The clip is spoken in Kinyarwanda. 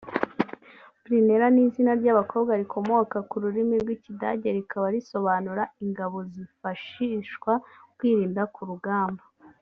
Brunella ni izina ry’abakobwa rikomoka ku rurimi rw’Ikidage rikaba risobanura “Ingabo zifashiswa kwirinda ku rugamba”